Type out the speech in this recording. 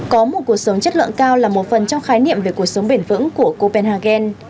có một cuộc sống chất lượng cao là một phần trong khái niệm về cuộc sống bền vững của copenhagen